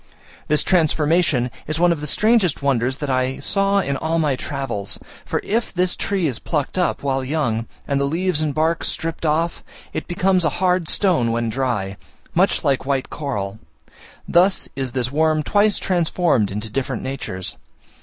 This transformation is one of the strangest wonders that I saw in all my travels: for if this tree is plucked up, while young, and the leaves and bark stripped off, it becomes a hard stone when dry, much like white coral: thus is this worm twice transformed into different natures.